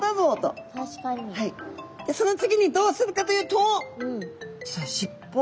でその次にどうするかというとしっぽ